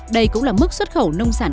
đây cũng là mức xuất khẩu nông sản